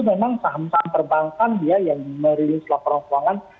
memang saham saham perbankan dia yang merilis laporan keuangan